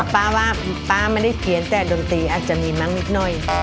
ป๊ามันได้เทียนแต่ดนตรีอาจจะมีมั้งนิดหน่อย